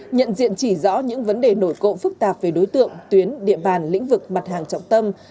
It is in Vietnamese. nhận diện chỉ rõ những vấn đề nổi cộng phức tạp về đối tượng tuyến địa bàn lĩnh vực mặt hàng trọng tâm